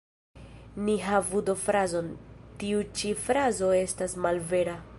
Ni havu do frazon ""Tiu ĉi frazo estas malvera.